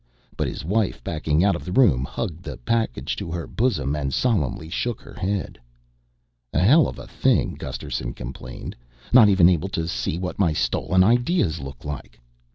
But his wife, backing out of the room, hugged the package to her bosom and solemnly shook her head. "A hell of a thing," Gusterson complained, "not even to be able to see what my stolen ideas look like."